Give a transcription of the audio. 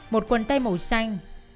một quần tay màu xanh